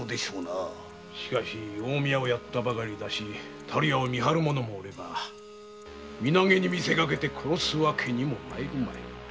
しかし近江屋をやったばかりだし樽屋を見張る者もおれば身投げにみせかけて殺すわけにも参るまい。